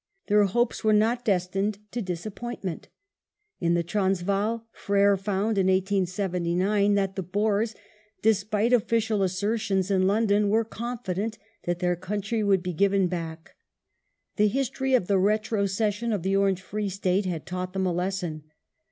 Their hopes were not destined to disappointment. In the Transvaal, Frere found in 1879 that the Boers, despite official assertions in London, were confident that their country would be given back. The history of the retrocession of the Orange Free State had taught them a lesson.